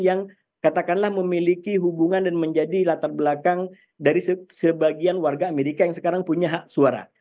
yang katakanlah memiliki hubungan dan menjadi latar belakang dari sebagian warga amerika yang sekarang punya hak suara